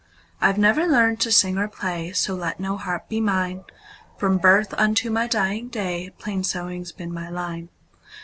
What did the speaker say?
I 've never learned to sing or play, So let no harp be mine; From birth unto my dying day, Plain sewing 's been my line.